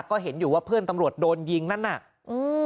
ก็เห็นอยู่ว่าเพื่อนตำรวจโดนยิงนั่นน่ะอืม